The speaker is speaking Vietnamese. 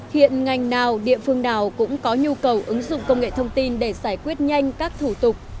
hiện ngành nào địa phương nào cũng có nhu cầu ứng dụng công nghệ thông tin để giải quyết nhanh các thủ tục